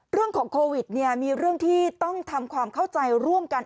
เรื่องของโควิดเนี่ยมีเรื่องที่ต้องทำความเข้าใจร่วมกัน